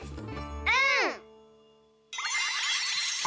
うん！